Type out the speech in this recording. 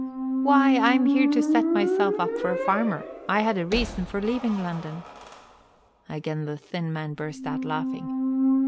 "Why, I am here to set myself up for a farmer. I had a reason for leaving London " Again the thin man burst out laughing.